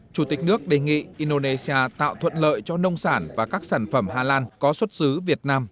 chủ tịch nước đề nghị indonesia tạo thuận lợi cho nông sản và các sản phẩm hà lan có xuất xứ việt nam